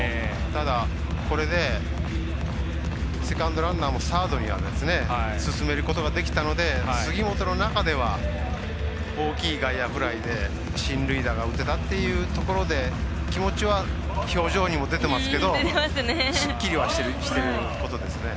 ただ、これでセカンドランナーもサードに進めることができたので杉本の中では大きい外野フライで進塁打が打てたということで気持ちは表情にも出てますけどすっきりはしてることですね。